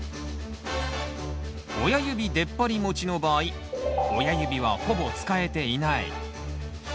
「親指でっぱり持ち」の場合親指はほぼ使えていない。